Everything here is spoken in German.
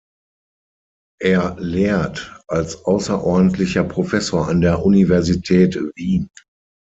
Er lehrt als außerordentlicher Professor an der Universität Wien.